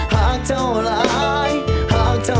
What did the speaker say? หักเจ้าหลายได้ยินบ่